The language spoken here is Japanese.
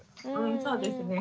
そうですね。